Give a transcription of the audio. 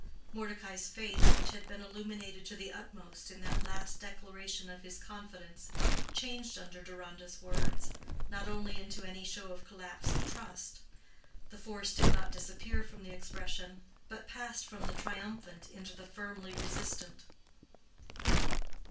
Mordecai's face, which had been illuminated to the utmost in that last declaration of his confidence, changed under Deronda's words, not only into any show of collapsed trust: the force did not disappear from the expression, but passed from the triumphant into the firmly resistant.